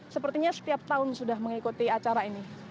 sepertinya setiap tahun sudah mengikuti acara ini